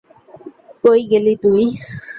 কই গেলি তুই?